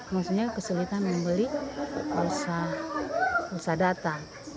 maksudnya kesulitan membeli usaha data